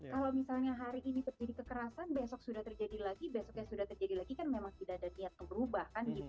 kalau misalnya hari ini terjadi kekerasan besok sudah terjadi lagi besoknya sudah terjadi lagi kan memang tidak ada niat untuk berubah kan gitu